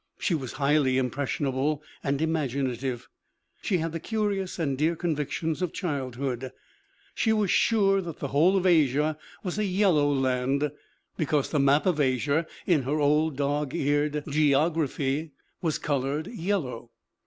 She was highly impressionable and imaginative. She had the curious and dear convictions of childhood. She was sure that the whole of Asia was a yellow land, because the map of Asia in her old dog eared geography was colored yellow.